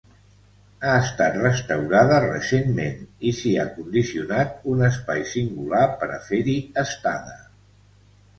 Ha estat restaurada recentment i s’hi ha condicionat un espai singular per a fer-hi estada.